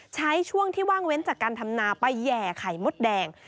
ช่วงที่ว่างเว้นจากการทำนาไปแห่ไข่มดแดง